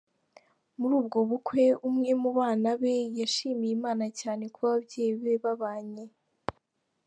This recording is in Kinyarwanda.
Muri ubwo bukwe, umwe mu bana be yashimiye Imana cyane kuba ababyeyi be babanye.